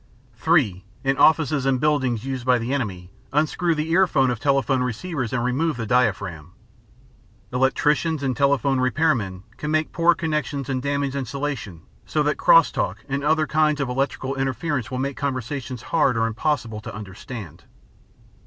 (3) In offices and buildings used by the enemy, unscrew the earphone of telephone receivers and remove the diaphragm. Electricians and telephone repair men can make poor connections and damage insulation so that cross talk and other kinds of electrical interference will make conversations hard or impossible to understand.